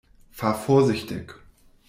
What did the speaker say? Fahr vorsichtig!